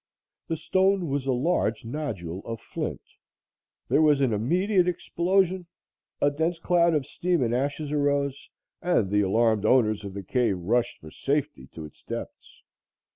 The stone was a large nodule of flint; there was an immediate explosion, a dense cloud of steam and ashes arose, and the alarmed owners of the cave rushed for safety to its depths.